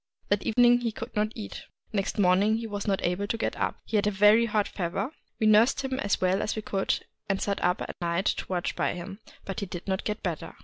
That evening he could not eat. Next morning he was not able to get up ;— he had a very hot fever : we nursed him as well as we could, and sat up at night to watch by him ; but he did not get better.